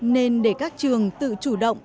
nên để các trường tự chủ động